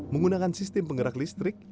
menggunakan sistem penggerak listrik